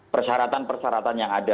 persyaratan persyaratan yang ada